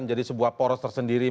menjadi sebuah poros tersendiri